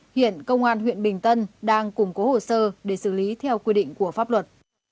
hiện công an huyện bình tân đang củng cố hồ sơ để xử lý theo quy định của pháp luật